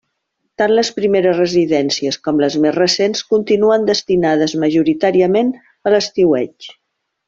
Tant les primeres residències com les més recents continuen destinades majoritàriament a l’estiueig.